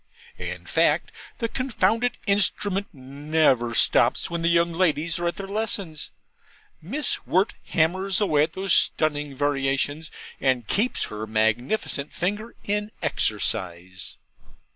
In fact, the confounded instrument never stops when the young ladies are at their lessons, Miss Wirt hammers away at those stunning variations, and keeps her magnificent finger in exercise.